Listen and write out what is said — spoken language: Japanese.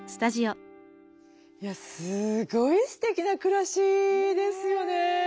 いやすごいすてきな暮らしですよね。